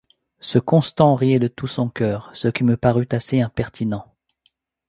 Ce Constant riait de tout son coeur, ce qui me parut assez impertinent.